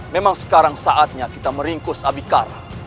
memang sekarang saatnya kita meringkus abikara